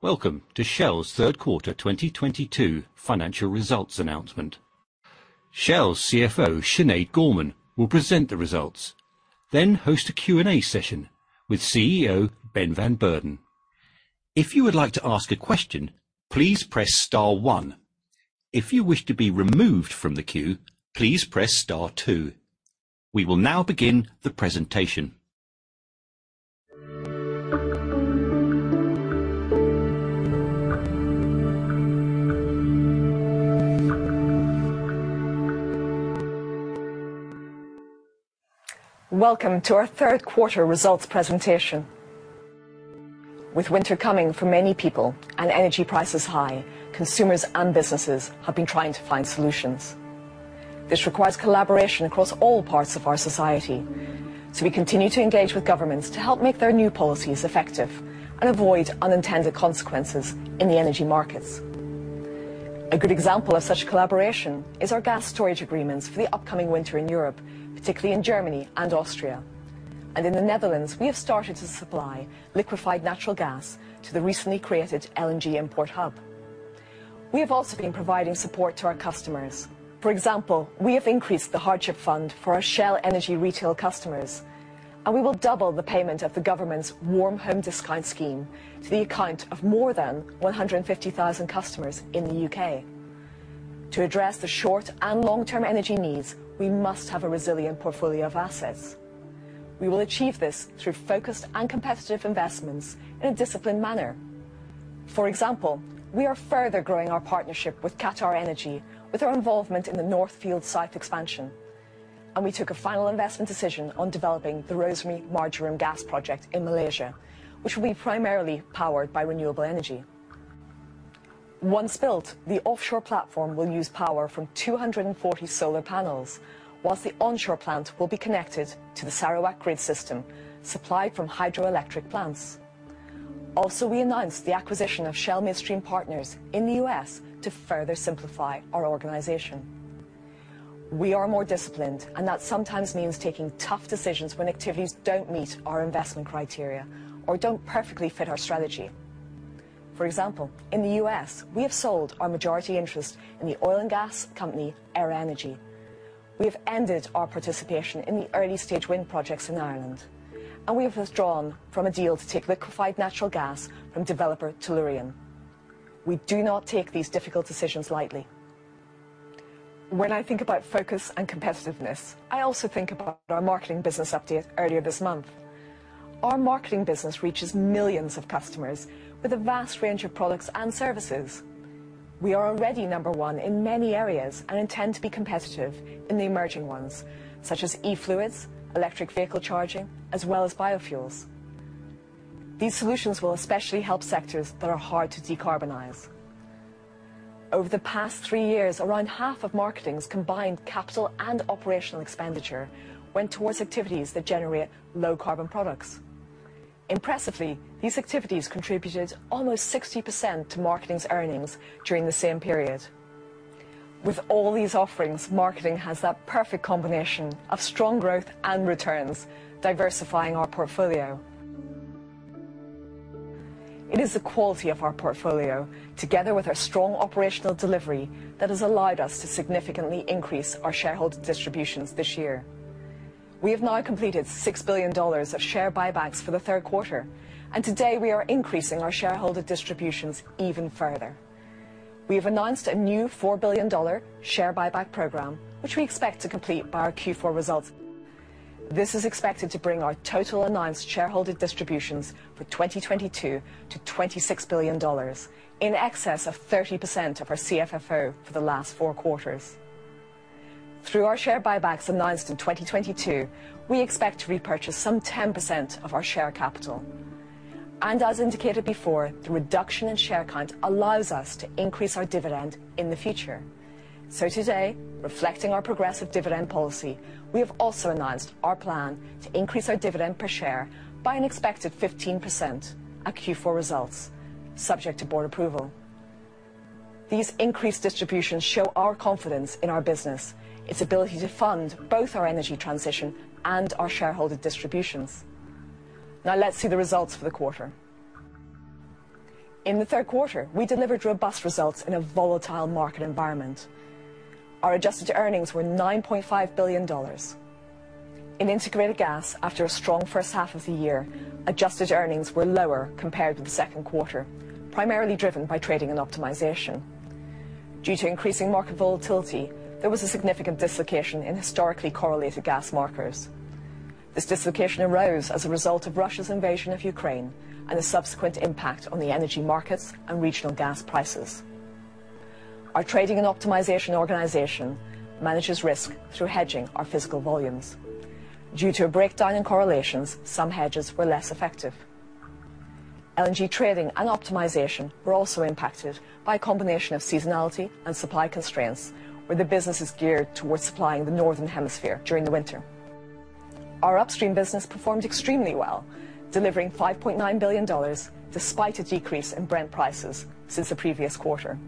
Welcome to Shell's third quarter 2022 financial results announcement. Shell's CFO, Sinead Gorman, will present the results, then host a Q&A session with CEO Ben van Beurden. If you would like to ask a question, please press star one. If you wish to be removed from the queue, please press star two. We will now begin the presentation. Welcome to our third quarter results presentation. With winter coming for many people and energy prices high, consumers and businesses have been trying to find solutions. This requires collaboration across all parts of our society, so we continue to engage with governments to help make their new policies effective and avoid unintended consequences in the energy markets. A good example of such collaboration is our gas storage agreements for the upcoming winter in Europe, particularly in Germany and Austria. In the Netherlands, we have started to supply liquefied natural gas to the recently created LNG import hub. We have also been providing support to our customers. For example, we have increased the hardship fund for our Shell Energy retail customers, and we will double the payment of the government's Warm Home Discount Scheme to the account of more than 150,000 customers in the U.K.. To address the short and long-term energy needs, we must have a resilient portfolio of assets. We will achieve this through focused and competitive investments in a disciplined manner. For example, we are further growing our partnership with QatarEnergy with our involvement in the North Field site expansion, and we took a final investment decision on developing the Rosmari-Marjoram gas project in Malaysia, which will be primarily powered by renewable energy. Once built, the offshore platform will use power from 240 solar panels, while the onshore plant will be connected to the Sarawak grid system, supplied from hydroelectric plants. Also, we announced the acquisition of Shell Midstream Partners in the U.S. to further simplify our organization. We are more disciplined, and that sometimes means taking tough decisions when activities don't meet our investment criteria or don't perfectly fit our strategy. For example, in the U.S., we have sold our majority interest in the oil and gas company Aera Energy. We have ended our participation in the early stage wind projects in Ireland, and we have withdrawn from a deal to take liquefied natural gas from developer Tellurian. We do not take these difficult decisions lightly. When I think about focus and competitiveness, I also think about our marketing business update earlier this month. Our marketing business reaches millions of customers with a vast range of products and services. We are already number one in many areas and intend to be competitive in the emerging ones, such as E-Fluids, electric vehicle charging, as well as biofuels. These solutions will especially help sectors that are hard to decarbonize. Over the past three years, around half of marketing's combined capital and operational expenditure went towards activities that generate low carbon products. Impressively, these activities contributed almost 60% to marketing's earnings during the same period. With all these offerings, marketing has that perfect combination of strong growth and returns, diversifying our portfolio. It is the quality of our portfolio, together with our strong operational delivery, that has allowed us to significantly increase our shareholder distributions this year. We have now completed $6 billion of share buybacks for the third quarter, and today we are increasing our shareholder distributions even further. We have announced a new $4 billion share buyback program, which we expect to complete by our Q4 results. This is expected to bring our total announced shareholder distributions for 2022 to $26 billion in excess of 30% of our CFFO for the last four quarters. Through our share buybacks announced in 2022, we expect to repurchase some 10% of our share capital. As indicated before, the reduction in share count allows us to increase our dividend in the future. Today, reflecting our progressive dividend policy, we have also announced our plan to increase our dividend per share by an expected 15% at Q4 results, subject to board approval. These increased distributions show our confidence in our business, its ability to fund both our energy transition and our shareholder distributions. Now let's see the results for the quarter. In the third quarter, we delivered robust results in a volatile market environment. Our adjusted earnings were $9.5 billion. In Integrated Gas, after a strong first half of the year, adjusted earnings were lower compared with the second quarter, primarily driven by trading and optimization. Due to increasing market volatility, there was a significant dislocation in historically correlated gas markers. This dislocation arose as a result of Russia's invasion of Ukraine and the subsequent impact on the energy markets and regional gas prices. Our trading and optimization organization manages risk through hedging our physical volumes. Due to a breakdown in correlations, some hedges were less effective. LNG trading and optimization were also impacted by a combination of seasonality and supply constraints, where the business is geared towards supplying the northern hemisphere during the winter. Our upstream business performed extremely well, delivering $5.9 billion, despite a decrease in Brent prices since the previous quarter.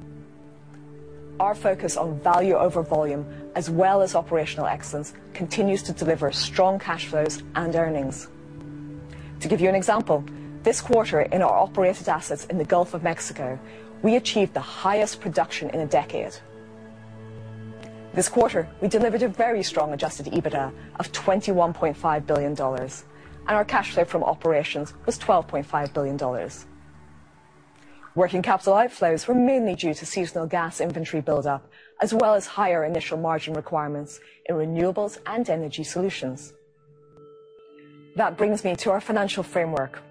Our focus on value over volume, as well as operational excellence, continues to deliver strong cash flows and earnings. To give you an example, this quarter in our operated assets in the Gulf of Mexico, we achieved the highest production in a decade. This quarter, we delivered a very strong adjusted EBITDA of $21.5 billion, and our cash flow from operations was $12.5 billion. Working capital outflows were mainly due to seasonal gas inventory build-up, as well as higher initial margin requirements in renewables and energy solutions. That brings me to our financial framework.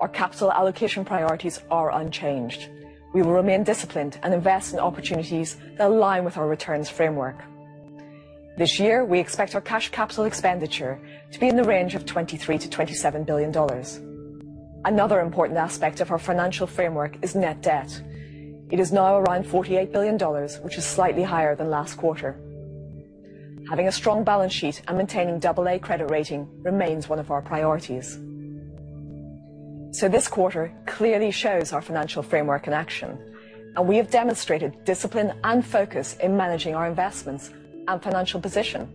Our capital allocation priorities are unchanged. We will remain disciplined and invest in opportunities that align with our returns framework. This year we expect our cash capital expenditure to be in the range of $23-$27 billion. Another important aspect of our financial framework is net debt. It is now around $48 billion, which is slightly higher than last quarter. Having a strong balance sheet and maintaining Double-A credit rating remains one of our priorities. This quarter clearly shows our financial framework in action, and we have demonstrated discipline and focus in managing our investments and financial position.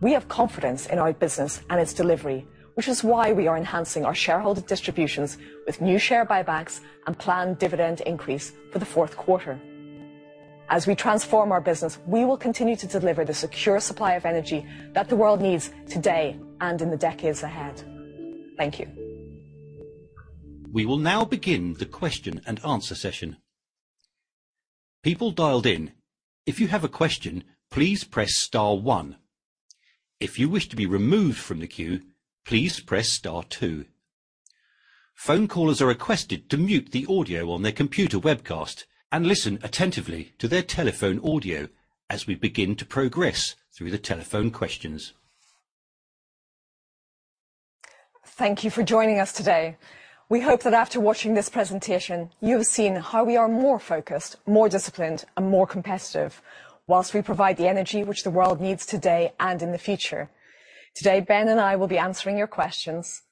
We have confidence in our business and its delivery, which is why we are enhancing our shareholder distributions with new share buybacks and planned dividend increase for the fourth quarter. As we transform our business, we will continue to deliver the secure supply of energy that the world needs today and in the decades ahead. Thank you. We will now begin the question and answer session. People dialed in, if you have a question, please press star one. If you wish to be removed from the queue, please press star two. Phone callers are requested to mute the audio on their computer webcast and listen attentively to their telephone audio as we begin to progress through the telephone questions. Thank you for joining us today. We hope that after watching this presentation you have seen how we are more focused, more disciplined, and more competitive whilst we provide the energy which the world needs today and in the future. Today, Ben and I will be answering your questions.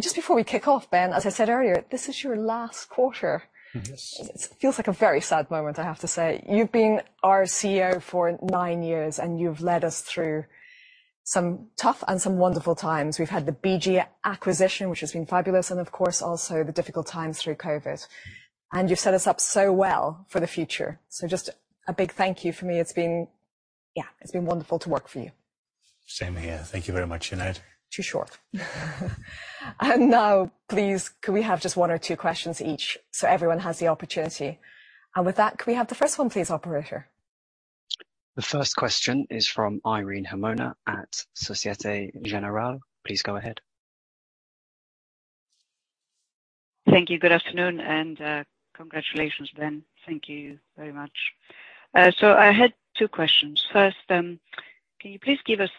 Just before we kick off, Ben, as I said earlier, this is your last quarter. It feels like a very sad moment, I have to say. You've been our CEO for nine years, and you've led us through some tough and some wonderful times. We've had the BG acquisition, which has been fabulous, and of course, also the difficult times through COVID. You've set us up so well for the future. Just a big thank you from me. It's been wonderful to work for you. Same here. Thank you very much, Sinead. Too short. Now, please, could we have just one or two questions each so everyone has the opportunity. With that, could we have the first one, please, operator? The first question is from Irene Himona at Société Générale. Please go ahead. Thank you. Good afternoon, and, congratulations, Ben. Thank you very much. I had two questions. First, can you please give us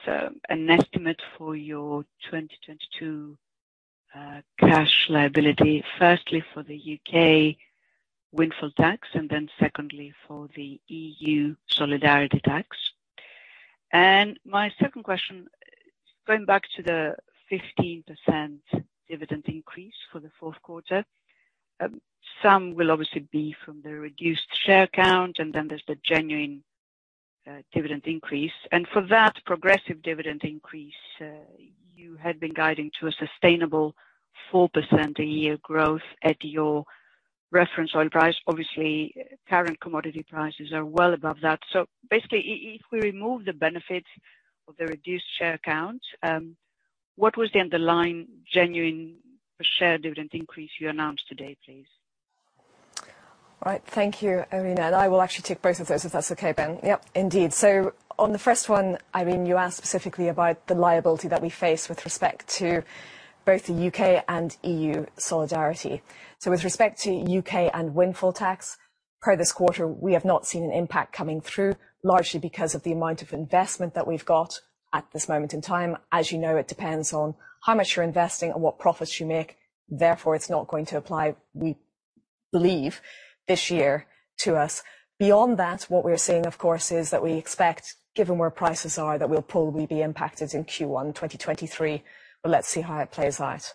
an estimate for your 2022 cash liability, firstly for the U.K. windfall tax, and then secondly for the EU solidarity tax. My second question, going back to the 15% dividend increase for the fourth quarter. Some will obviously be from the reduced share count, and then there's the genuine dividend increase. For that progressive dividend increase, you had been guiding to a sustainable 4% a year growth at your reference oil price. Obviously, current commodity prices are well above that. Basically if we remove the benefit of the reduced share count, what was the underlying genuine per share dividend increase you announced today, please? All right. Thank you, Irene. I will actually take both of those if that's okay, Ben. Yep, indeed. On the first one, Irene, you asked specifically about the liability that we face with respect to both the U.K. and EU solidarity. With respect to U.K. and windfall tax, per this quarter, we have not seen an impact coming through, largely because of the amount of investment that we've got at this moment in time. As you know, it depends on how much you're investing and what profits you make, therefore, it's not going to apply, we believe, this year to us. Beyond that, what we're seeing, of course, is that we expect, given where prices are, that we'll probably be impacted in Q1 2023. Let's see how it plays out.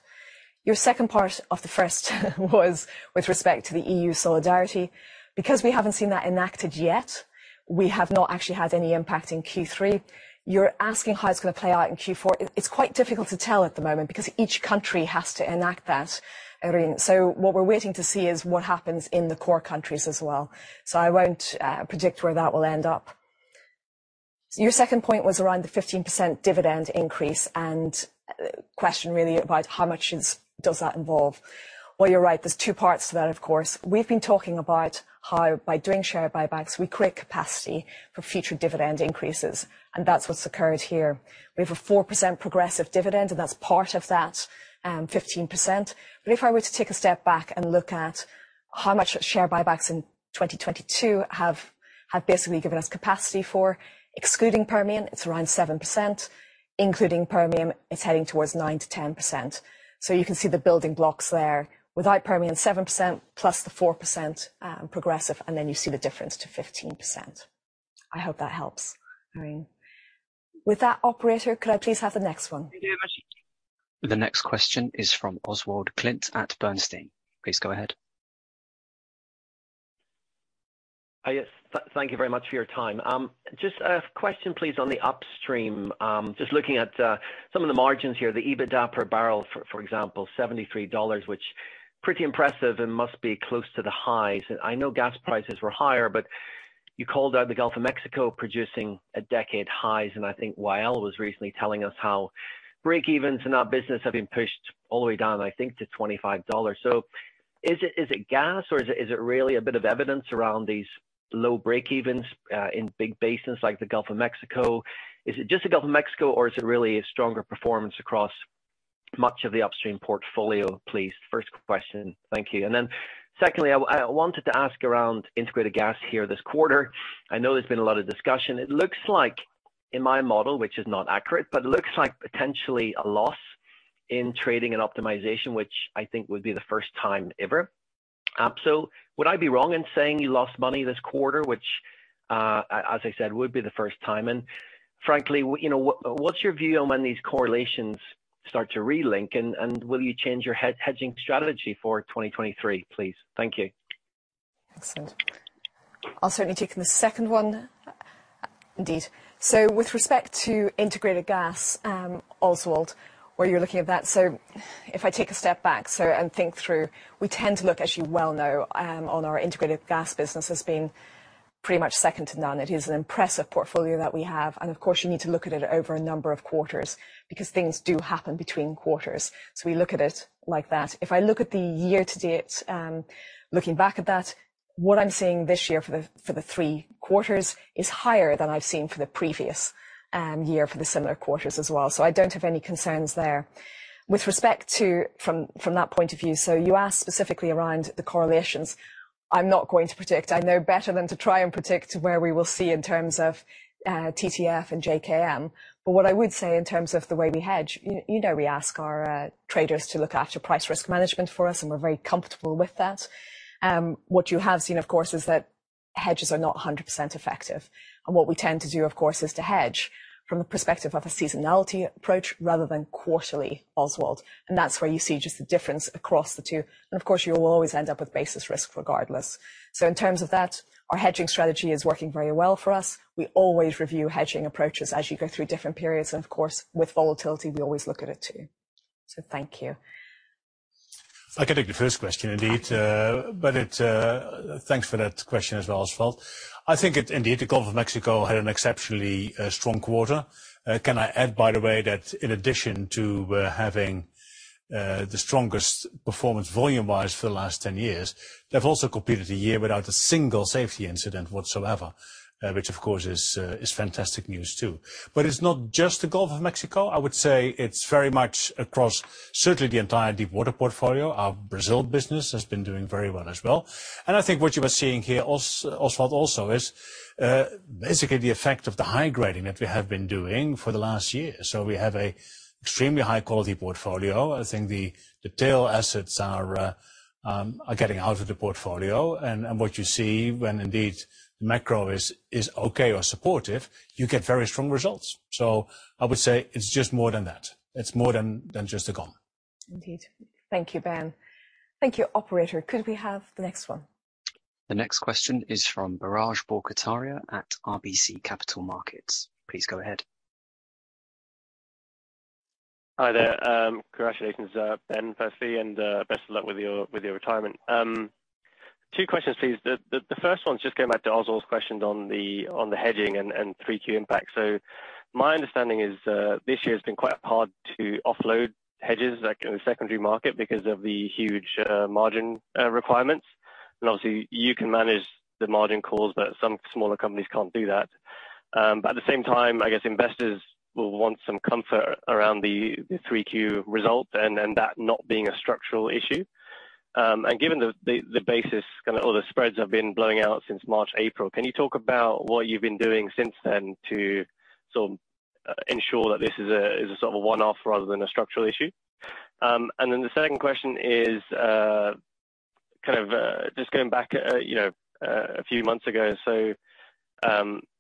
Your second part of the first was with respect to the EU solidarity. Because we haven't seen that enacted yet, we have not actually had any impact in Q3. You're asking how it's gonna play out in Q4. It's quite difficult to tell at the moment because each country has to enact that, Irene. What we're waiting to see is what happens in the core countries as well. I won't predict where that will end up. Your second point was around the 15% dividend increase and question really about how much is, does that involve. Well, you're right. There's two parts to that, of course. We've been talking about how by doing share buybacks, we create capacity for future dividend increases, and that's what's occurred here. We have a 4% progressive dividend, and that's part of that 15%. If I were to take a step back and look at how much share buybacks in 2022 have basically given us capacity for excluding Permian, it's around 7%, including Permian, it's heading towards 9%-10%. You can see the building blocks there. Without Permian, 7% plus the 4%, progressive, and then you see the difference to 15%. I hope that helps, Irene. With that, operator, could I please have the next one? The next question is from Oswald Clint at Bernstein. Please go ahead. Yes. Thank you very much for your time. Just a question please on the upstream. Just looking at some of the margins here, the EBITDA per barrel, for example, $73, which pretty impressive and must be close to the highs. I know gas prices were higher, but you called out the Gulf of Mexico producing a decade highs, and I think Wael was recently telling us how breakeven in that business have been pushed all the way down, I think to $25. So is it gas or is it really a bit of evidence around these low breakevens in big basins like the Gulf of Mexico? Is it just the Gulf of Mexico or is it really a stronger performance across much of the upstream portfolio, please? First question. Thank you. Then secondly, I wanted to ask around Integrated Gas here this quarter. I know there's been a lot of discussion. It looks like in my model, which is not accurate, but it looks like potentially a loss in trading and optimization, which I think would be the first time ever. So would I be wrong in saying you lost money this quarter, which, as I said, would be the first time? And frankly, you know, what's your view on when these correlations start to relink, and will you change your hedging strategy for 2023, please? Thank you. Excellent. I'll certainly take the second one indeed. With respect to Integrated Gas, Oswald, where you're looking at that, if I take a step back, think through, we tend to look, as you well know, on our Integrated Gas business as being pretty much second to none. It is an impressive portfolio that we have, and of course, you need to look at it over a number of quarters because things do happen between quarters. We look at it like that. If I look at the year to date, looking back at that, what I'm seeing this year for the three quarters is higher than I've seen for the previous year for the similar quarters as well. I don't have any concerns there. With respect to From that point of view, you asked specifically around the correlations. I'm not going to predict. I know better than to try and predict where we will see in terms of TTF and JKM. But what I would say in terms of the way we hedge, you know, we ask our traders to look after price risk management for us, and we're very comfortable with that. What you have seen, of course, is that hedges are not 100% effective. What we tend to do, of course, is to hedge from a perspective of a seasonality approach rather than quarterly, Oswald. That's where you see just the difference across the two. Of course, you will always end up with basis risk regardless. In terms of that, our hedging strategy is working very well for us. We always review hedging approaches as you go through different periods. Of course, with volatility, we always look at it too. Thank you. I can take the first question indeed. Thanks for that question as well, Oswald. I think it indeed, the Gulf of Mexico had an exceptionally strong quarter. Can I add, by the way, that in addition to having the strongest performance volume-wise for the last 10 years, they've also completed a year without a single safety incident whatsoever, which of course is fantastic news too. It's not just the Gulf of Mexico. I would say it's very much across certainly the entire deep water portfolio. Our Brazil business has been doing very well as well. I think what you are seeing here, Oswald also is basically the effect of the high grading that we have been doing for the last year. We have an extremely high quality portfolio. I think the tail assets are getting out of the portfolio and what you see when indeed the macro is okay or supportive, you get very strong results. I would say it's just more than that. It's more than just the Gulf. Indeed. Thank you, Ben. Thank you. Operator, could we have the next one? The next question is from Biraj Borkhataria at RBC Capital Markets. Please go ahead. Hi there. Congratulations, Ben, firstly, and best of luck with your retirement. Two questions, please. The first one is just going back to Oswald's questions on the hedging and 3Q impact. My understanding is this year has been quite hard to offload hedges like in the secondary market because of the huge margin requirements. Obviously you can manage the margin calls, but some smaller companies can't do that. At the same time, I guess investors will want some comfort around the 3Q result and that not being a structural issue. Given the basis, kind of all the spreads have been blowing out since March, April, can you talk about what you've been doing since then to sort of ensure that this is a one-off rather than a structural issue? Then the second question is, kind of just going back, you know a few months ago.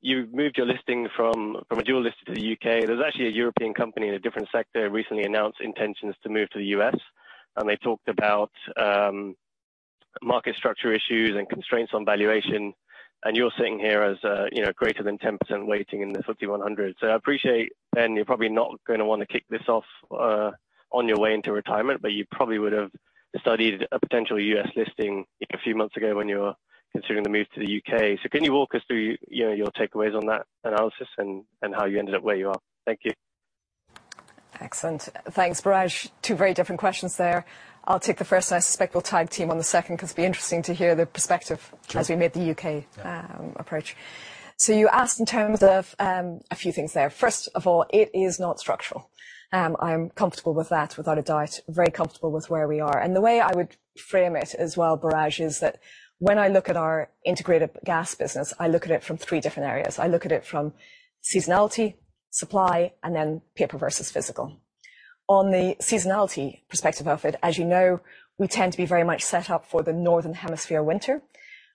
You moved your listing from a dual listing to the U.K.. There's actually a European company in a different sector recently announced intentions to move to the U.S., and they talked about market structure issues and constraints on valuation. You're sitting here as greater than 10% weighting in the 51/100. I appreciate, Ben, you're probably not gonna wanna kick this off on your way into retirement, but you probably would've studied a potential U.S.. listing a few months ago when you were considering the move to the U.K.. Can you walk us through, you know, your takeaways on that analysis and how you ended up where you are? Thank you. Excellent. Thanks, Biraj. Two very different questions there. I'll take the first, and I suspect we'll tag team on the second 'cause it'd be interesting to hear the perspective. Sure. You asked in terms of a few things there. First of all, it is not structural. I'm comfortable with that without a doubt, very comfortable with where we are. The way I would frame it as well, Biraj, is that when I look at our Integrated Gas business, I look at it from three different areas. I look at it from seasonality, supply, and then paper versus physical. On the seasonality perspective of it, as you know, we tend to be very much set up for the Northern Hemisphere winter,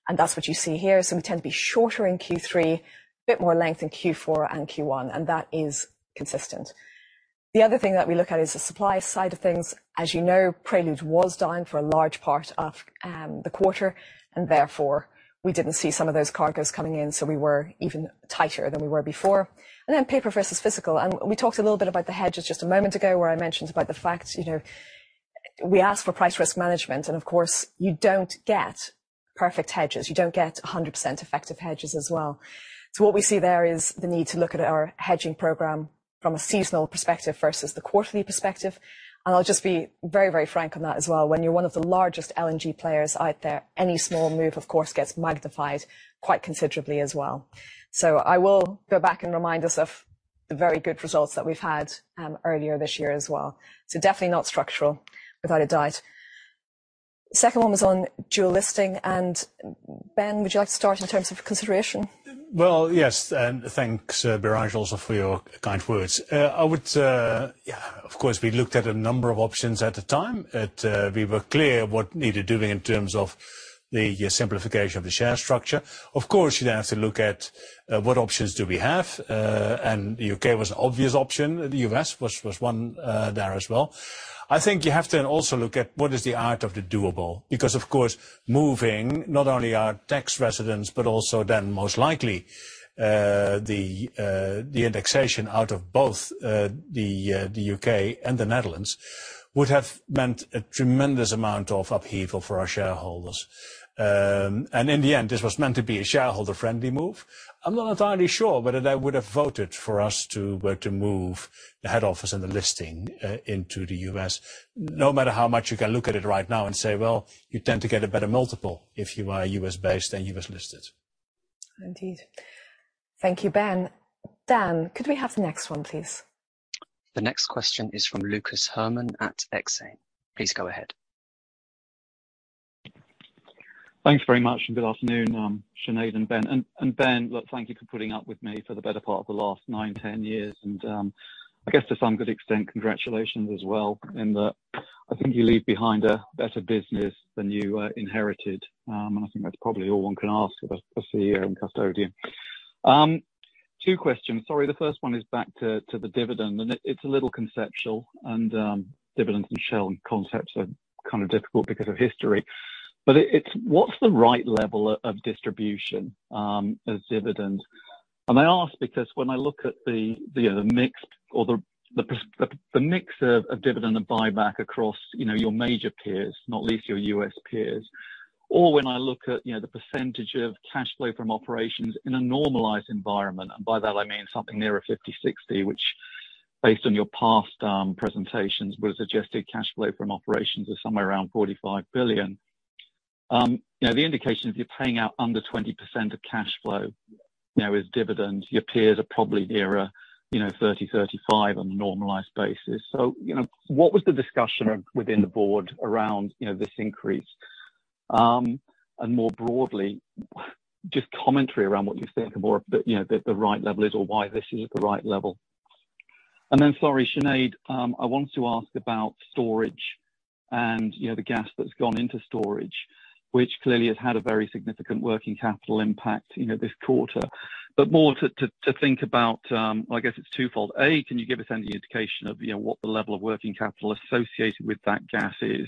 and that's what you see here. We tend to be shorter in Q3, a bit more length in Q4 and Q1, and that is consistent. The other thing that we look at is the supply side of things. As you know, Prelude was down for a large part of the quarter, and therefore we didn't see some of those cargoes coming in, so we were even tighter than we were before. Paper versus physical. We talked a little bit about the hedges just a moment ago, where I mentioned about the fact, you know, we asked for price risk management, and of course, you don't get perfect hedges. You don't get 100% effective hedges as well. What we see there is the need to look at our hedging program from a seasonal perspective versus the quarterly perspective. I'll just be very, very frank on that as well. When you're one of the largest LNG players out there, any small move, of course, gets magnified quite considerably as well. I will go back and remind us of the very good results that we've had, earlier this year as well. Definitely not structural without a doubt. Second one was on dual listing. Ben, would you like to start in terms of consideration? Well, yes, thanks, Biraj, also for your kind words. Of course, we looked at a number of options at the time. We were clear what needed doing in terms of the simplification of the share structure. Of course, you then have to look at what options do we have, and the U.K. was an obvious option. The U.S. was one there as well. I think you have to also look at what is the art of the possible. Because, of course, moving not only our tax residents, but also then most likely the indexation out of both the U.K. and the Netherlands, would have meant a tremendous amount of upheaval for our shareholders. In the end, this was meant to be a shareholder-friendly move. I'm not entirely sure whether they would have voted for us to move the head office and the listing into the U.S. No matter how much you can look at it right now and say, well, you tend to get a better multiple if you are U.S.-based and U.S.-listed. Indeed. Thank you, Ben. Dan, could we have the next one, please? The next question is from Lucas Herrmann at Exane. Please go ahead. Thanks very much, and good afternoon, Sinead and Ben. Ben, look, thank you for putting up with me for the better part of the last nine, 10 years. I guess to some good extent, congratulations as well, in that I think you leave behind a better business than you inherited. I think that's probably all one can ask of a CEO and custodian. Two questions. Sorry, the first one is back to the dividend, and it's a little conceptual, and dividends and Shell and concepts are kind of difficult because of history. It's what's the right level of distribution as dividends? I ask because when I look at the mix of dividend and buyback across your major peers, not least your U.S. peers, or when I look at the percentage of cash flow from operations in a normalized environment, and by that I mean something nearer $50 billion, $60 billion, which based on your past presentations, would have suggested cash flow from operations of somewhere around $45 billion. You know, the indication is you're paying out under 20% of cash flow as dividends. Your peers are probably nearer, you know, 30%-35% on a normalized basis. What was the discussion within the board around this increase? More broadly, just commentary around what you think of more of the, you know, the right level is or why this is the right level. Sorry, Sinead, I wanted to ask about storage and, you know, the gas that's gone into storage, which clearly has had a very significant working capital impact, you know, this quarter. More to think about, I guess it's twofold. A, can you give us any indication of, you know, what the level of working capital associated with that gas is?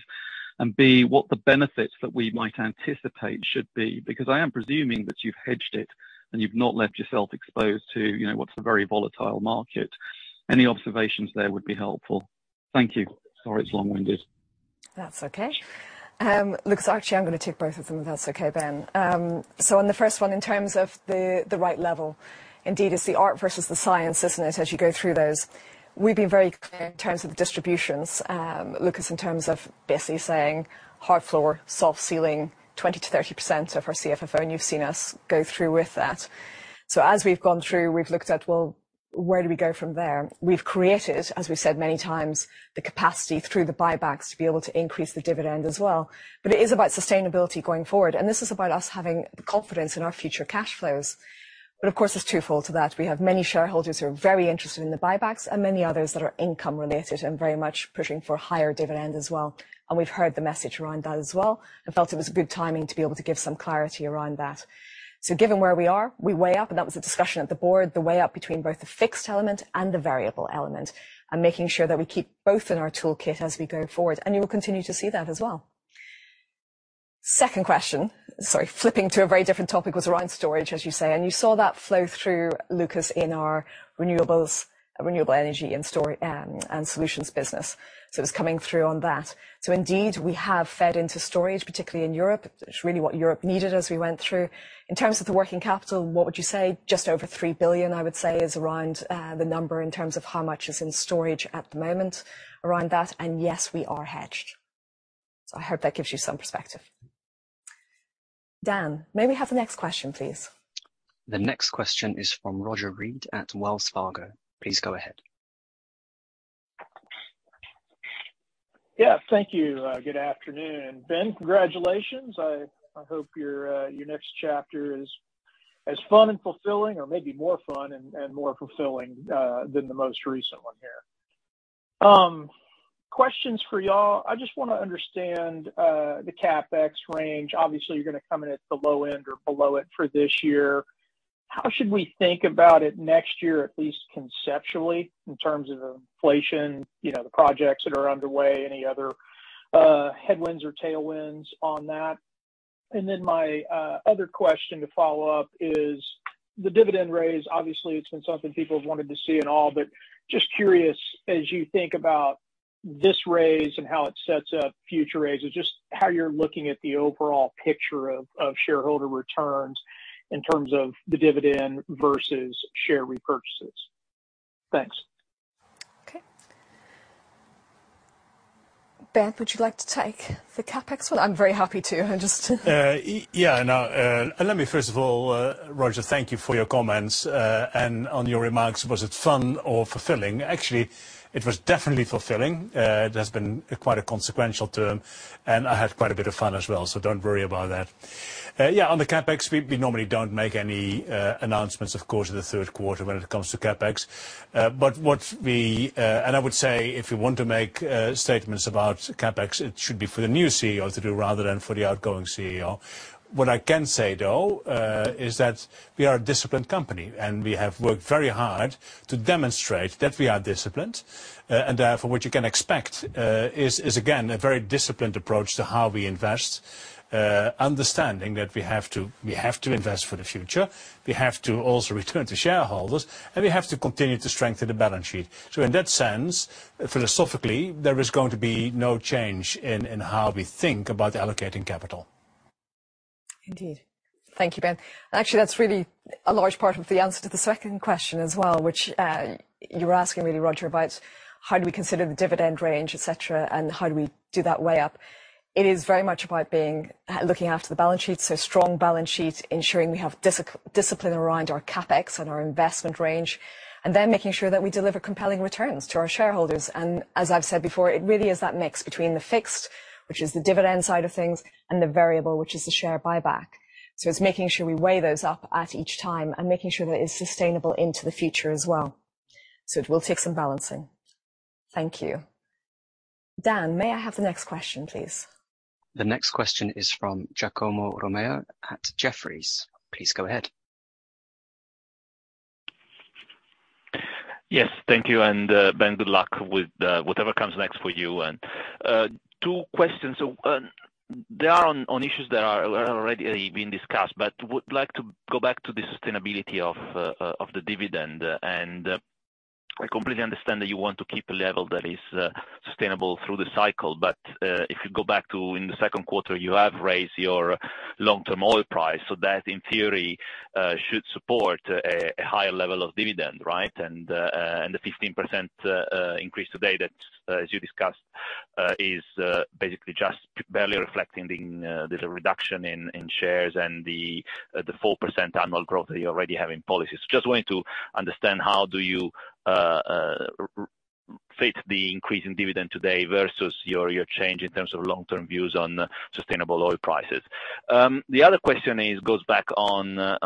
And B, what the benefits that we might anticipate should be? Because I am presuming that you've hedged it and you've not left yourself exposed to, you know, what's a very volatile market. Any observations there would be helpful. Thank you. Sorry it's long-winded. That's okay. Looks actually I'm gonna take both of them, if that's okay, Ben. On the first one, in terms of the right level, indeed, it's the art versus the science, isn't it, as you go through those. We've been very clear in terms of the distributions, Lucas, in terms of basically saying hard floor, soft ceiling, 20%-30% of our CFFO, and you've seen us go through with that. As we've gone through, we've looked at, well, where do we go from there? We've created, as we've said many times, the capacity through the buybacks to be able to increase the dividend as well. It is about sustainability going forward, and this is about us having the confidence in our future cash flows. Of course, it's twofold to that. We have many shareholders who are very interested in the buybacks and many others that are income related and very much pushing for higher dividend as well. We've heard the message around that as well and felt it was a good timing to be able to give some clarity around that. Given where we are, we weigh up, and that was a discussion at the board, the weigh up between both the fixed element and the variable element, and making sure that we keep both in our toolkit as we go forward. You will continue to see that as well. Second question, sorry, flipping to a very different topic, was around storage, as you say, and you saw that flow through, Lucas, in our Renewables and Energy Solutions business. It's coming through on that. Indeed, we have fed into storage, particularly in Europe. It's really what Europe needed as we went through. In terms of the working capital, what would you say? Just over $3 billion, I would say is around, the number in terms of how much is in storage at the moment around that. Yes, we are hedged. I hope that gives you some perspective. Dan, may we have the next question, please? The next question is from Roger Read at Wells Fargo. Please go ahead. Yeah. Thank you. Good afternoon. Ben, congratulations. I hope your next chapter is as fun and fulfilling or maybe more fun and more fulfilling than the most recent one here. Questions for y'all. I just wanna understand the CapEx range. Obviously, you're gonna come in at the low end or below it for this year. How should we think about it next year, at least conceptually, in terms of inflation, you know, the projects that are underway, any other headwinds or tailwinds on that? And then my other question to follow up is the dividend raise. Obviously, it's been something people have wanted to see and all, but just curious as you think about this raise and how it sets up future raises, just how you're looking at the overall picture of shareholder returns in terms of the dividend versus share repurchases? Thanks. Okay. Ben, would you like to take the CapEx one? I'm very happy to. Yeah. No, let me first of all, Roger, thank you for your comments. On your remarks, was it fun or fulfilling? Actually, it was definitely fulfilling. It has been quite a consequential term, and I had quite a bit of fun as well, so don't worry about that. Yeah, on the CapEx, we normally don't make any announcements, of course, in the third quarter when it comes to CapEx. I would say, if we want to make statements about CapEx, it should be for the new CEO to do rather than for the outgoing CEO. What I can say, though, is that we are a disciplined company, and we have worked very hard to demonstrate that we are disciplined. Therefore, what you can expect is again a very disciplined approach to how we invest. Understanding that we have to invest for the future, we have to also return to shareholders, and we have to continue to strengthen the balance sheet. In that sense, philosophically, there is going to be no change in how we think about allocating capital. Indeed. Thank you, Ben. Actually, that's really a large part of the answer to the second question as well, which, you were asking really, Roger, about how do we consider the dividend range, et cetera, and how do we do that weigh up. It is very much about looking after the balance sheet, so strong balance sheet, ensuring we have discipline around our CapEx and our investment range, and then making sure that we deliver compelling returns to our shareholders. As I've said before, it really is that mix between the fixed, which is the dividend side of things, and the variable, which is the share buyback. It's making sure we weigh those up at each time and making sure that it's sustainable into the future as well. It will take some balancing. Thank you. Dan, may I have the next question, please? The next question is from Giacomo Romeo at Jefferies. Please go ahead. Yes, thank you. Ben, good luck with whatever comes next for you. Two questions. They are on issues that are already been discussed, but would like to go back to the sustainability of the dividend. I completely understand that you want to keep a level that is sustainable through the cycle. If you go back to in the second quarter, you have raised your long-term oil price, so that in theory should support a higher level of dividend, right? And the 15% increase today that, as you discussed, is basically just barely reflecting the reduction in shares and the 4% annual growth that you already have in policy. Just wanting to understand how do you reconcile the increase in dividend today versus your change in terms of long-term views on sustainable oil prices. The other question is, it goes back to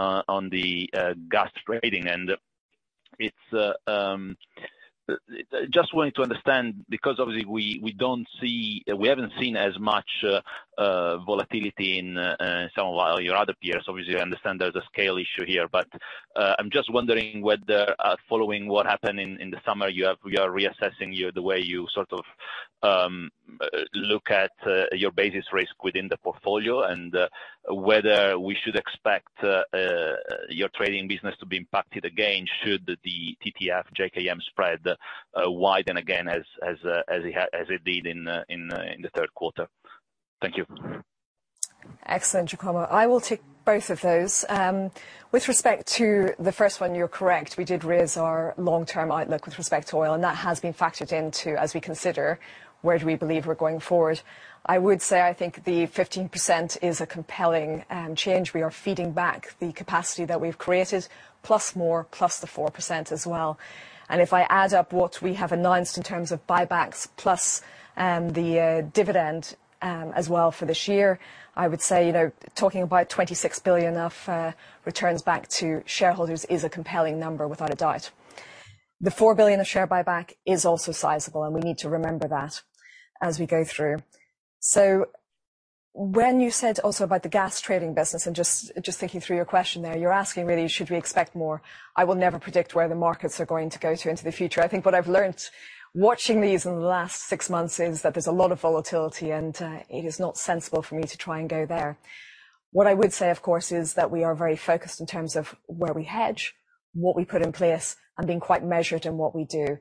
the gas trading, and it's just wanting to understand, because obviously we haven't seen as much volatility in some of your other peers. Obviously, I understand there's a scale issue here, but I'm just wondering whether, following what happened in the summer, you are reassessing the way you sort of look at your basis risk within the portfolio and whether we should expect your trading business to be impacted again should the TTF JKM spread widen again as it did in the third quarter. Thank you. Excellent, Giacomo. I will take both of those. With respect to the first one, you're correct. We did raise our long-term outlook with respect to oil, and that has been factored into as we consider where do we believe we're going forward. I would say I think the 15% is a compelling change. We are feeding back the capacity that we've created, plus more, plus the 4% as well. If I add up what we have announced in terms of buybacks plus the dividend as well for this year, I would say, you know, talking about $26 billion of returns back to shareholders is a compelling number without a doubt. The $4 billion of share buyback is also sizable, and we need to remember that as we go through. When you said also about the gas trading business, and just thinking through your question there, you're asking really, should we expect more. I will never predict where the markets are going to go into the future. I think what I've learned watching these in the last six months is that there's a lot of volatility, and it is not sensible for me to try and go there. What I would say, of course, is that we are very focused in terms of where we hedge, what we put in place, and being quite measured in what we do.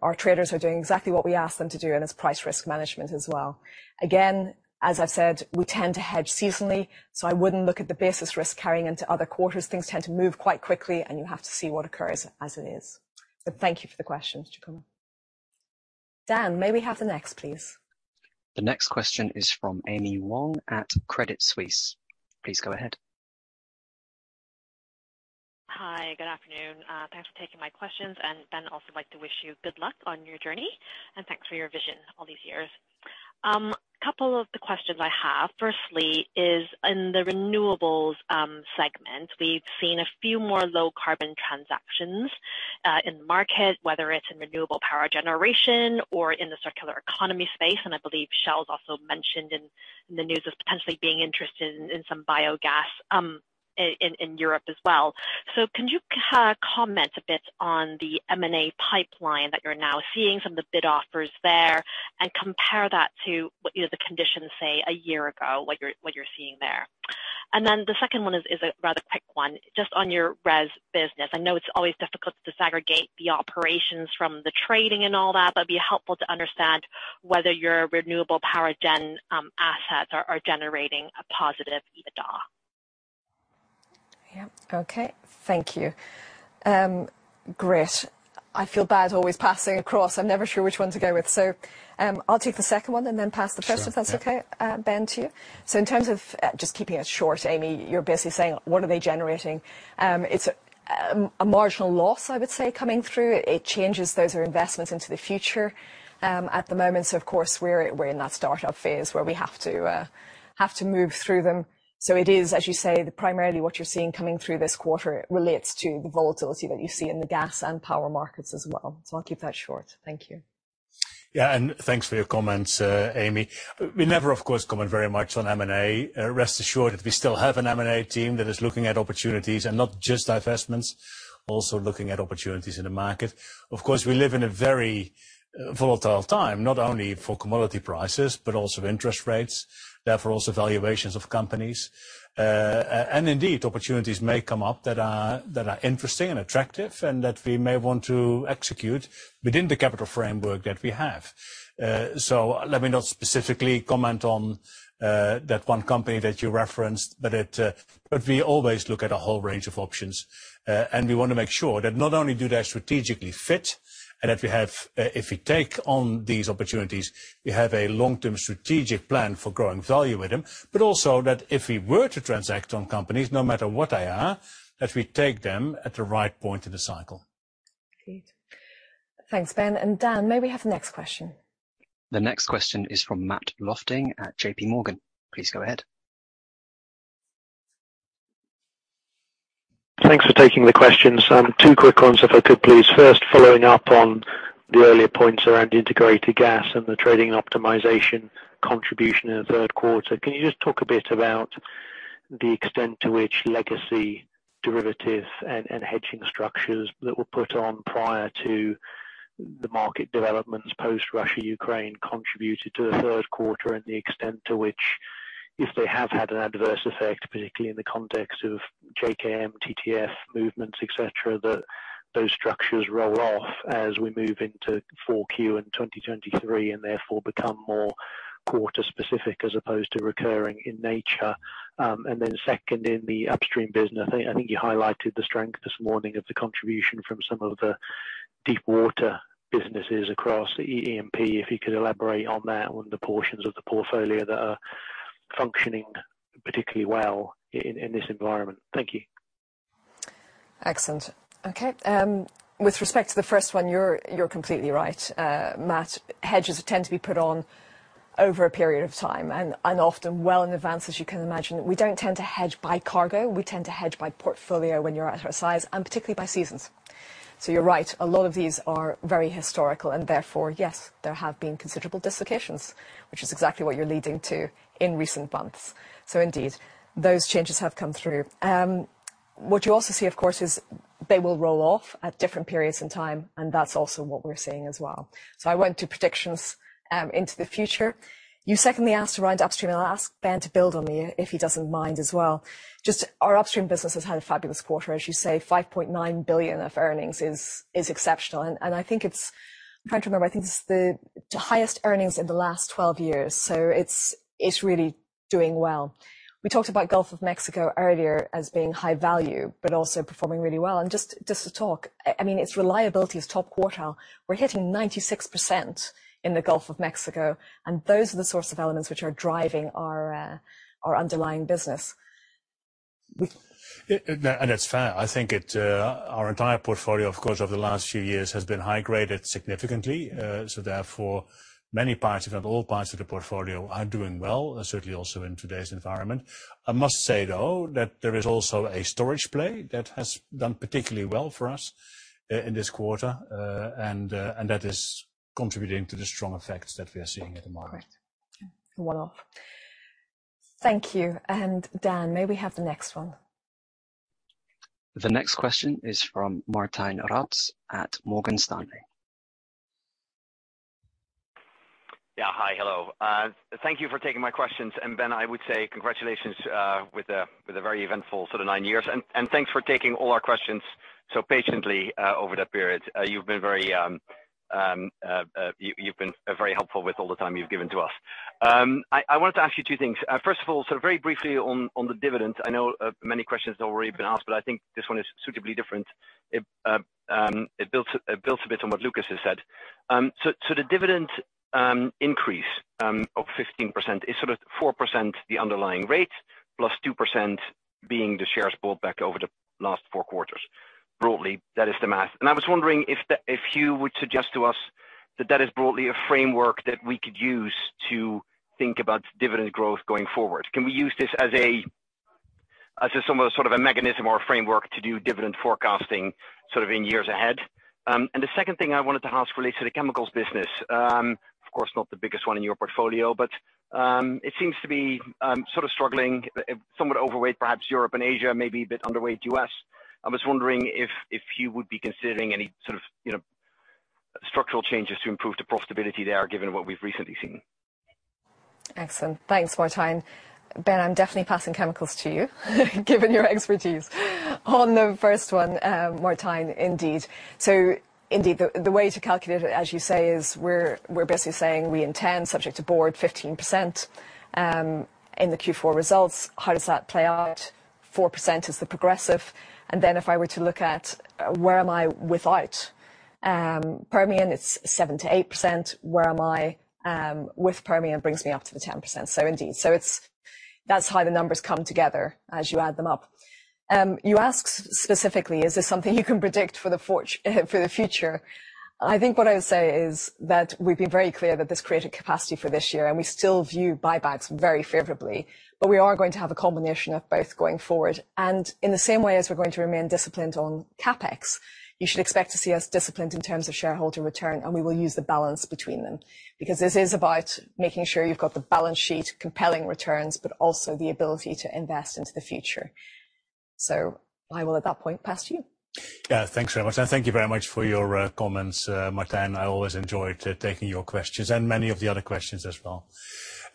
Our traders are doing exactly what we ask them to do, and it's price risk management as well. Again, as I've said, we tend to hedge seasonally, so I wouldn't look at the basis risk carrying into other quarters. Things tend to move quite quickly, and you have to see what occurs as it is. Thank you for the question, Giacomo. Dan, may we have the next, please? The next question is from Amy Wong at Credit Suisse. Please go ahead. Hi, good afternoon. Thanks for taking my questions. Ben, I'd also like to wish you good luck on your journey, and thanks for your vision all these years. Couple of the questions I have, firstly, is in the renewables segment, we've seen a few more low carbon transactions. In the market, whether it's in renewable power generation or in the circular economy space, and I believe Shell's also mentioned in the news as potentially being interested in some biogas in Europe as well. Can you comment a bit on the M&A pipeline that you're now seeing, some of the bid offers there, and compare that to what you know the conditions, say, a year ago, what you're seeing there. Then the second one is a rather quick one. Just on your RES business. I know it's always difficult to disaggregate the operations from the trading and all that, but it'd be helpful to understand whether your renewable power gen assets are generating a positive EBITDA. Yeah. Okay. Thank you. Great. I feel bad always passing across. I'm never sure which one to go with. I'll take the second one and then pass the first. If that's okay, Ben, to you. In terms of just keeping it short, Amy, you're basically saying, what are they generating? It's a marginal loss, I would say, coming through. It changes. Those are investments into the future at the moment. Of course, we're in that start-up phase where we have to move through them. It is, as you say, primarily what you're seeing coming through this quarter relates to the volatility that you see in the gas and power markets as well. I'll keep that short. Thank you. Yeah. Thanks for your comments, Amy. We never, of course, comment very much on M&A. Rest assured that we still have an M&A team that is looking at opportunities, and not just divestments, also looking at opportunities in the market. Of course, we live in a very volatile time, not only for commodity prices, but also interest rates, therefore also valuations of companies. Indeed, opportunities may come up that are interesting and attractive, and that we may want to execute within the capital framework that we have. Let me not specifically comment on that one company that you referenced, but we always look at a whole range of options. We wanna make sure that not only do they strategically fit and that we have, if we take on these opportunities, we have a long-term strategic plan for growing value with them. Also that if we were to transact on companies, no matter what they are, that we take them at the right point in the cycle. Great. Thanks, Ben. Dan, may we have the next question? The next question is from Matt Lofting at JPMorgan. Please go ahead. Thanks for taking the questions. Two quick ones if I could, please. First, following up on the earlier points around Integrated Gas and the trading optimization contribution in the third quarter, can you just talk a bit about the extent to which legacy derivative and hedging structures that were put on prior to the market developments post Russia-Ukraine contributed to the third quarter and the extent to which, if they have had an adverse effect, particularly in the context of JKM, TTF movements, et cetera, that those structures roll off as we move into Q4 in 2023 and therefore become more quarter specific as opposed to recurring in nature? Second, in the upstream business, I think you highlighted the strength this morning of the contribution from some of the deep water businesses across E&P. If you could elaborate on that, on the portions of the portfolio that are functioning particularly well in this environment? Thank you. Excellent. Okay. With respect to the first one, you're completely right, Matt. Hedges tend to be put on over a period of time, and often well in advance, as you can imagine. We don't tend to hedge by cargo. We tend to hedge by portfolio when you're at our size, and particularly by seasons. You're right. A lot of these are very historical and therefore, yes, there have been considerable dislocations, which is exactly what you're leading to in recent months. Indeed, those changes have come through. What you also see, of course, is they will roll off at different periods in time, and that's also what we're seeing as well. I won't do predictions into the future. You secondly asked around upstream. I'll ask Ben to build on me if he doesn't mind as well. Just our upstream business has had a fabulous quarter. As you say, $5.9 billion of earnings is exceptional. I think it's. I'm trying to remember. I think it's the highest earnings in the last 12 years, so it's really doing well. We talked about Gulf of Mexico earlier as being high value, but also performing really well. I mean, its reliability is top quartile. We're hitting 96% in the Gulf of Mexico, and those are the sorts of elements which are driving our underlying business. Yeah. It's fair. I think it, our entire portfolio, of course, over the last few years has been high graded significantly. So therefore, many parts, if not all parts of the portfolio are doing well, certainly also in today's environment. I must say, though, that there is also a storage play that has done particularly well for us in this quarter. That is contributing to the strong effects that we are seeing at the moment. Correct. Well. Thank you. Dan, may we have the next one? The next question is from Martijn Rats at Morgan Stanley. Yeah. Hi. Hello. Thank you for taking my questions. Ben, I would say congratulations with the very eventful sort of nine years. Thanks for taking all our questions so patiently over that period. You've been very helpful with all the time you've given to us. I wanted to ask you two things. First of all, very briefly on the dividends. I know many questions have already been asked, but I think this one is suitably different. It builds a bit on what Lucas has said. The dividend increase of 15% is sort of 4% the underlying rate, plus 2% being the shares bought back over the last four quarters. Broadly, that is the math. I was wondering if you would suggest to us that that is broadly a framework that we could use to think about dividend growth going forward. Can we use this as a As some sort of a mechanism or a framework to do dividend forecasting, sort of in years ahead. The second thing I wanted to ask relates to the chemicals business. Of course not the biggest one in your portfolio, but it seems to be sort of struggling, somewhat overweight, perhaps Europe and Asia, maybe a bit underweight U.S.. I was wondering if you would be considering any sort of, you know, structural changes to improve the profitability there, given what we've recently seen. Excellent. Thanks, Martijn. Ben, I'm definitely passing chemicals to you, given your expertise. On the first one, Martijn, indeed. The way to calculate it, as you say, is we're basically saying we intend, subject to board, 15% in the Q4 results. How does that play out? 4% is the progressive. Then if I were to look at where am I without Permian, it's 7%-8%. Where am I with Permian brings me up to the 10%. Indeed. That's how the numbers come together as you add them up. You ask specifically, is this something you can predict for the future? I think what I would say is that we've been very clear that this created capacity for this year, and we still view buybacks very favorably. We are going to have a combination of both going forward. In the same way as we're going to remain disciplined on CapEx, you should expect to see us disciplined in terms of shareholder return, and we will use the balance between them. Because this is about making sure you've got the balance sheet, compelling returns, but also the ability to invest into the future. I will at that point pass to you. Yeah. Thanks very much. Thank you very much for your comments, Martijn. I always enjoyed taking your questions and many of the other questions as well.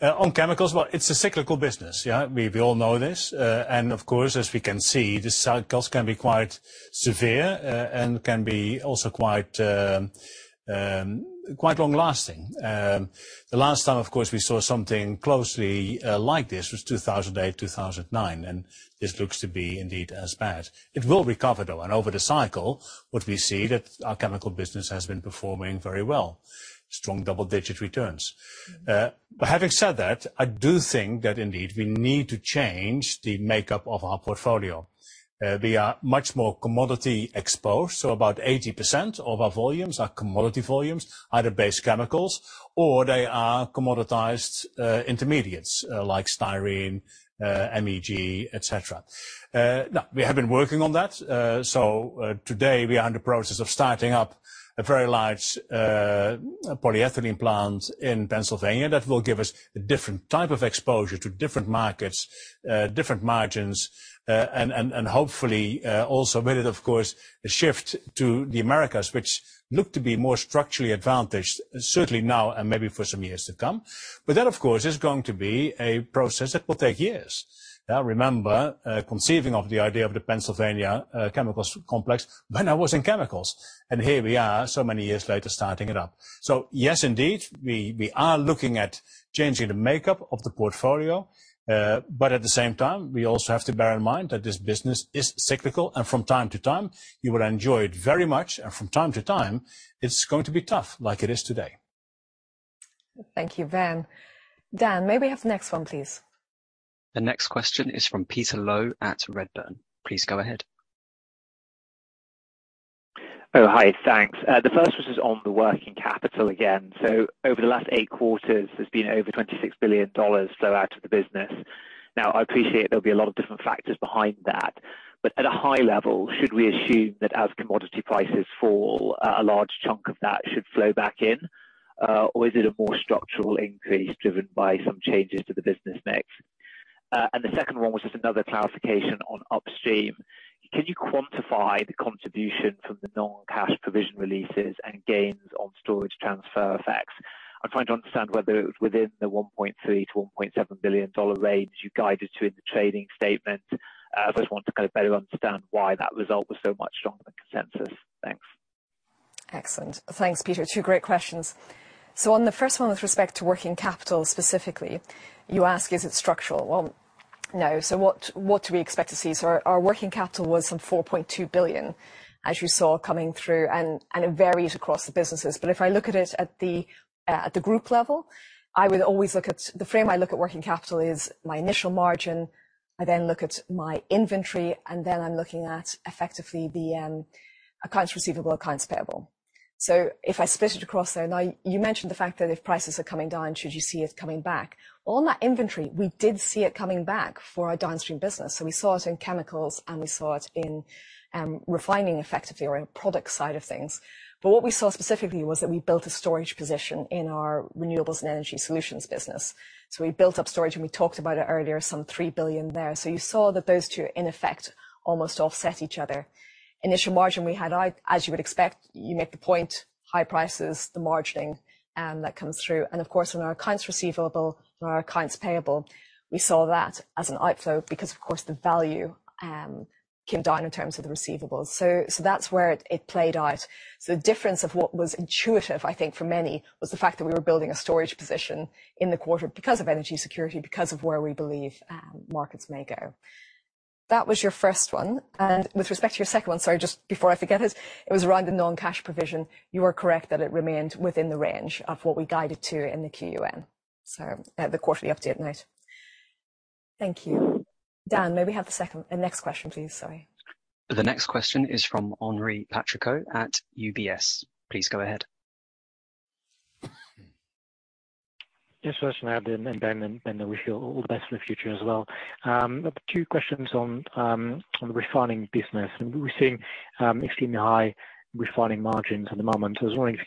On chemicals, well, it's a cyclical business, yeah? We all know this. Of course, as we can see, the cycles can be quite severe and can be also quite long-lasting. The last time, of course, we saw something closely like this was 2008, 2009, and this looks to be indeed as bad. It will recover, though. Over the cycle, what we see that our chemical business has been performing very well. Strong double-digit returns. Having said that, I do think that indeed we need to change the makeup of our portfolio. We are much more commodity exposed, so about 80% of our volumes are commodity volumes, either base chemicals or they are commoditized intermediates, like styrene, MEG, et cetera. Now, we have been working on that. Today we are in the process of starting up a very large polyethylene plant in Pennsylvania that will give us a different type of exposure to different markets, different margins, and hopefully also with it, of course, a shift to the Americas, which look to be more structurally advantaged, certainly now and maybe for some years to come. That, of course, is going to be a process that will take years. I remember conceiving of the idea of the Pennsylvania chemicals complex when I was in chemicals, and here we are so many years later starting it up. Yes, indeed, we are looking at changing the makeup of the portfolio, but at the same time, we also have to bear in mind that this business is cyclical, and from time to time, you will enjoy it very much, and from time to time, it's going to be tough like it is today. Thank you, Ben. Dan, may we have the next one, please? The next question is from Peter Low at Redburn. Please go ahead. The first was just on the working capital again. Over the last eight quarters, there's been over $26 billion flow out of the business. Now, I appreciate there'll be a lot of different factors behind that. At a high level, should we assume that as commodity prices fall, a large chunk of that should flow back in? Or is it a more structural increase driven by some changes to the business mix? The second one was just another clarification on upstream. Can you quantify the contribution from the non-cash provision releases and gains on storage transfer effects? I'm trying to understand whether it was within the $1.3-$1.7 billion range you guided to in the trading statement. I just want to kind of better understand why that result was so much stronger than consensus. Thanks. Excellent. Thanks, Peter. Two great questions. On the first one, with respect to working capital specifically, you ask, is it structural? Well, no. What do we expect to see? Our working capital was some $4.2 billion, as you saw coming through, and it varied across the businesses. If I look at it at the group level, I would always look at the frame I look at working capital is my initial margin. I then look at my inventory, and then I'm looking at effectively the accounts receivable or accounts payable. If I split it across there. Now, you mentioned the fact that if prices are coming down, should you see it coming back? On that inventory, we did see it coming back for our downstream business. We saw it in chemicals, and we saw it in refining effectively or in product side of things. What we saw specifically was that we built a storage position in our Renewables and Energy Solutions business. We built up storage, and we talked about it earlier, some $3 billion there. You saw that those two, in effect, almost offset each other. Initial margin we had out, as you would expect, you make the point, high prices, the margining that comes through. Of course, on our accounts receivable and our accounts payable, we saw that as an outflow because, of course, the value came down in terms of the receivables. That's where it played out. The difference of what was intuitive, I think, for many was the fact that we were building a storage position in the quarter because of energy security, because of where we believe markets may go. That was your first one. With respect to your second one, sorry, just before I forget it was around the non-cash provision. You are correct that it remained within the range of what we guided to in the QUN, so at the quarterly update note. Thank you. Dan, may we have the second, next question, please? Sorry. The next question is from Henri Patricot at UBS. Please go ahead. Yes, first, I wish you all the best for the future as well, Ben. Two questions on the refining business. We're seeing extremely high refining margins at the moment. I was wondering if you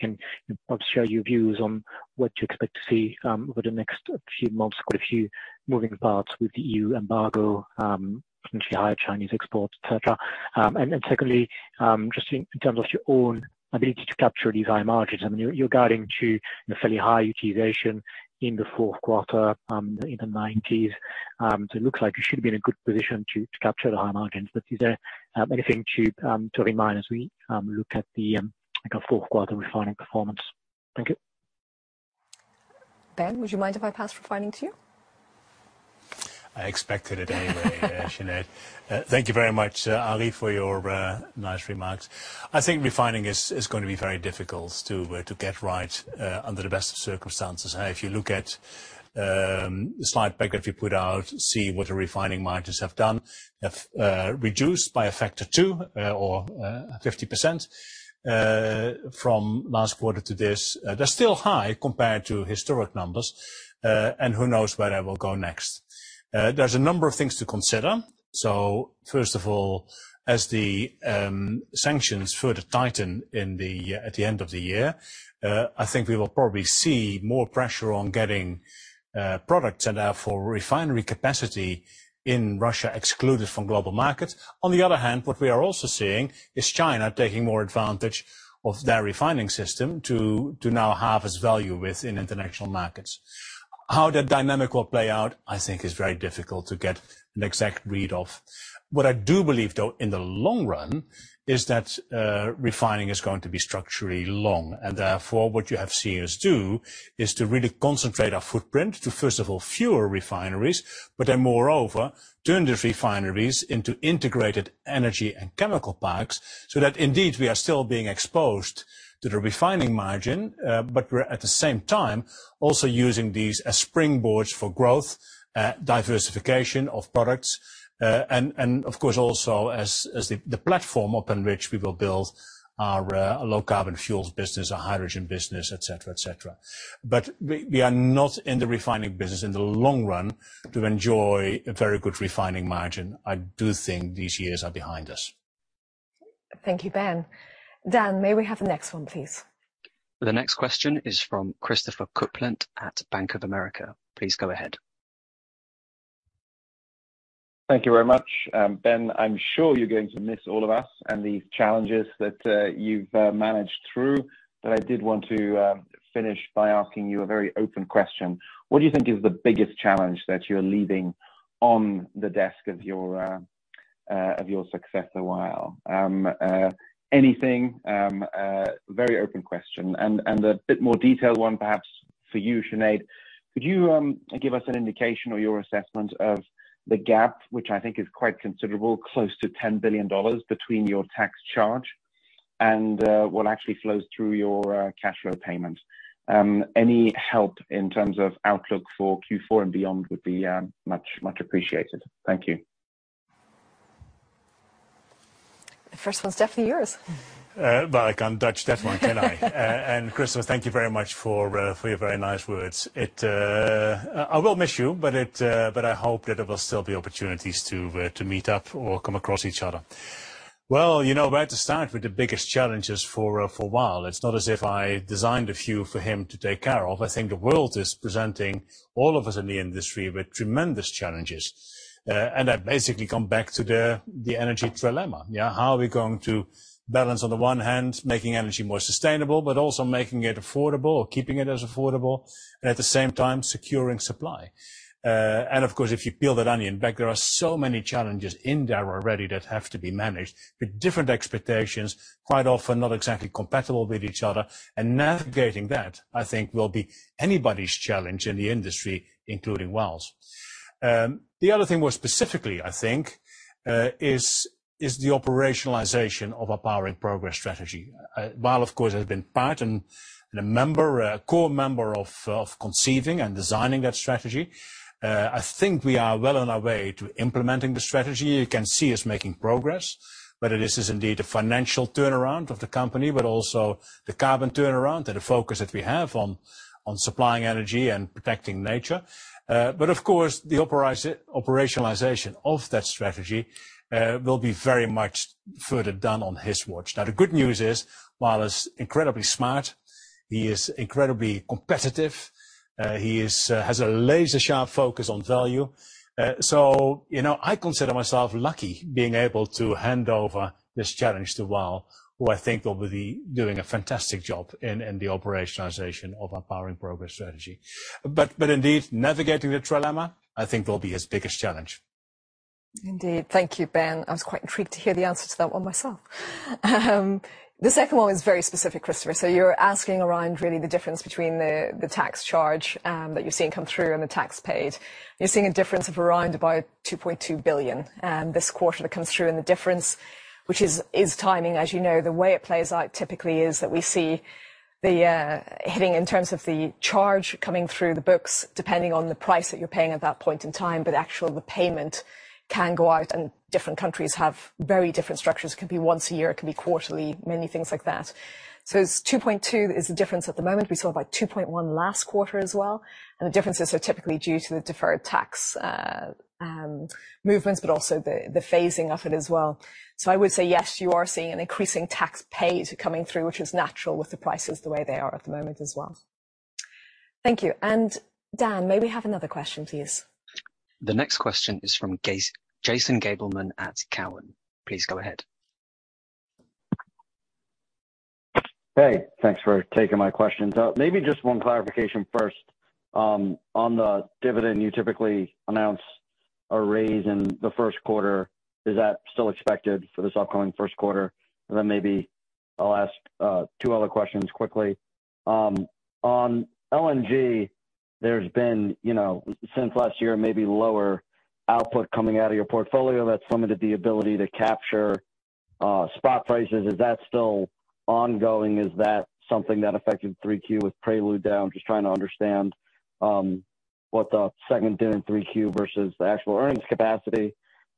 can perhaps share your views on what you expect to see over the next few months. Quite a few moving parts with the EU embargo, potentially higher Chinese exports, et cetera. Secondly, just in terms of your own ability to capture these high margins, I mean, you're guiding to a fairly high utilization in the fourth quarter in the 90s. It looks like you should be in a good position to capture the high margins. Is there anything to bear in mind as we look at the, like, a fourth quarter refining performance? Thank you. Ben, would you mind if I pass refining to you? I expected it anyway, Sinead. Thank you very much, Henri, for your nice remarks. I think refining is gonna be very difficult to get right under the best of circumstances. If you look at the slide deck that we put out, see what the refining margins have done. They've reduced by a factor of two or 50% from last quarter to this. They're still high compared to historic numbers, and who knows where they will go next. There's a number of things to consider. First of all, as the sanctions further tighten at the end of the year, I think we will probably see more pressure on getting products and therefore refinery capacity in Russia excluded from global markets. On the other hand, what we are also seeing is China taking more advantage of their refining system to now harvest value within international markets. How that dynamic will play out, I think is very difficult to get an exact read of. What I do believe, though, in the long run, is that refining is going to be structurally long. Therefore, what you have seen us do is to really concentrate our footprint to, first of all, fewer refineries. Moreover, turn the refineries into integrated energy and chemical parks so that indeed we are still being exposed to the refining margin, but we're at the same time also using these as springboards for growth, diversification of products. Of course, also as the platform upon which we will build our low carbon fuels business, our hydrogen business, et cetera, et cetera. We are not in the refining business in the long run to enjoy a very good refining margin. I do think these years are behind us. Thank you, Ben. Dan, may we have the next one, please? The next question is from Christopher Kuplent at Bank of America. Please go ahead. Thank you very much. Ben, I'm sure you're going to miss all of us and the challenges that you've managed through, but I did want to finish by asking you a very open question. What do you think is the biggest challenge that you're leaving on the desk of your successor, Wael? Anything. Very open question. A bit more detailed one perhaps for you, Sinead. Could you give us an indication or your assessment of the gap, which I think is quite considerable, close to $10 billion between your tax charge and what actually flows through your cash flow payment? Any help in terms of outlook for Q4 and beyond would be much appreciated. Thank you. The first one's definitely yours. I can't dodge that one, can I? Christopher, thank you very much for your very nice words. I will miss you, but I hope that there will still be opportunities to meet up or come across each other. Well, you know, where to start with the biggest challenges for Wael. It's not as if I designed a few for him to take care of. I think the world is presenting all of us in the industry with tremendous challenges. That basically come back to the energy trilemma. Yeah, how are we going to balance on the one hand, making energy more sustainable, but also making it affordable or keeping it as affordable and at the same time securing supply. Of course, if you peel that onion back, there are so many challenges in there already that have to be managed with different expectations, quite often not exactly compatible with each other. Navigating that, I think, will be anybody's challenge in the industry, including Wael's. The other thing more specifically, I think, is the operationalization of our Powering Progress strategy. Wael, of course, has been part and a member, a core member of conceiving and designing that strategy. I think we are well on our way to implementing the strategy. You can see us making progress, whether this is indeed a financial turnaround of the company, but also the carbon turnaround and the focus that we have on supplying energy and protecting nature. Of course, the operationalization of that strategy will be very much further done on his watch. Now, the good news is, Wael is incredibly smart. He is incredibly competitive. He has a laser-sharp focus on value. You know, I consider myself lucky being able to hand over this challenge to Wael, who I think will be doing a fantastic job in the operationalization of our Powering Progress strategy. Indeed, navigating the trilemma, I think will be his biggest challenge. Indeed. Thank you, Ben. I was quite intrigued to hear the answer to that one myself. The second one was very specific, Christopher. You're asking around really the difference between the tax charge that you're seeing come through and the tax paid. You're seeing a difference of around about $2.2 billion this quarter that comes through. The difference, which is timing, as you know. The way it plays out typically is that we see the hit in terms of the charge coming through the books, depending on the price that you're paying at that point in time, but actual repayment can go out, and different countries have very different structures. It could be once a year, it could be quarterly, many things like that. It's $2.2 billion is the difference at the moment. We saw about $2.1 last quarter as well, and the differences are typically due to the deferred tax movements, but also the phasing of it as well. I would say yes, you are seeing an increasing tax pay coming through, which is natural with the prices the way they are at the moment as well. Thank you. Dan, may we have another question, please? The next question is from Jason Gabelman at Cowen. Please go ahead. Hey, thanks for taking my questions. Maybe just one clarification first. On the dividend, you typically announce a raise in the first quarter. Is that still expected for this upcoming first quarter? Then maybe I'll ask two other questions quickly. On LNG, there's been, you know, since last year, maybe lower output coming out of your portfolio that's limited the ability to capture spot prices. Is that still ongoing? Is that something that affected Q3 with Prelude down? Just trying to understand what the second did in Q3 versus the actual earnings capacity.